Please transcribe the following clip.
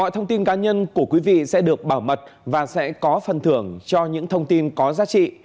mọi thông tin cá nhân của quý vị sẽ được bảo mật và sẽ có phần thưởng cho những thông tin có giá trị